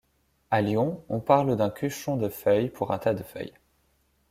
À Lyon, on parle d'un cuchon de feuilles pour un tas de feuilles.